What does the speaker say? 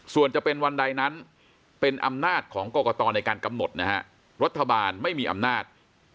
ส่วนจะเป็นวันใดนั้นเป็นอำนาจของกรกตในการกำหนดนะฮะรัฐบาลไม่มีอำนาจ